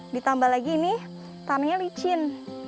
ditambah lagi ini tanahnya licin